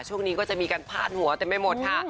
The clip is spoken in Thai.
ช่วงนี้ก็จะมีการพาดหัวเต็มไปหมดค่ะ